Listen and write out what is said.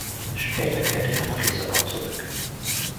Später kehrte er nach Lissabon zurück.